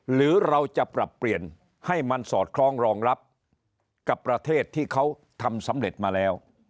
หรือเราจะปรับเปลี่ยนให้มันสอดคล้องรองรับกับประเทศที่เขาทำสำเร็จมาแล้ว